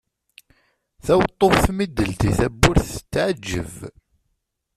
Taweṭṭuft mi d-teldi tawwurt tettɛeǧǧeb.